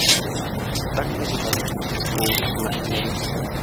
دښته د تاریخ د پښو نخښه لري.